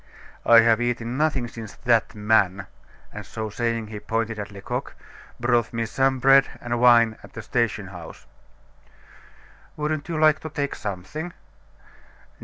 "I have eaten nothing since that man" and so saying he pointed to Lecoq "brought me some bread and wine at the station house." "Wouldn't you like to take something?"